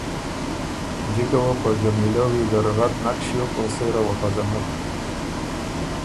جِکه وه په جمیلۀ ویزر رد نک ݭیوکاو سېره وه پزنک۔